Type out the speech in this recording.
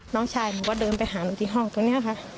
น้องชายหนูก็เดินไปหาหนูที่ห้องตรงนี้ค่ะ